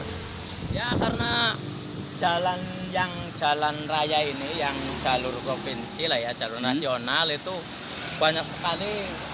ya karena jalan raya ini yang jalur provinsi jalur nasional itu banyak sekali